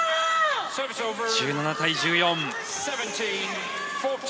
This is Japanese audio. １７対１４。